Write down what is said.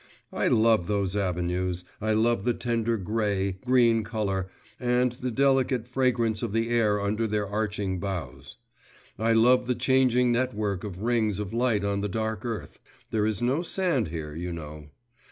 I love those avenues, I love the tender grey, green colour, and the delicate fragrance of the air under their arching boughs; I love the changing net work of rings of light on the dark earth there is no sand here, you know.